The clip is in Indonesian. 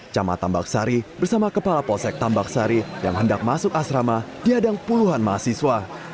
camat tambak sari bersama kepala polsek tambak sari yang hendak masuk asrama diadang puluhan mahasiswa